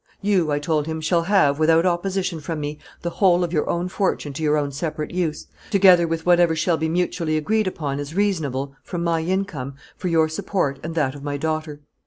You, I told him, shall have, without opposition from me, the whole of your own fortune to your own separate use, together with whatever shall be mutually agreed upon as reasonable, from my income, for your support and that of my daughter.